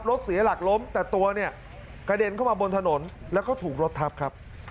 รถเสียหลักล้มแต่ตัวเนี่ยกระเด็นเข้ามาบนถนนแล้วก็ถูกรถทับครับ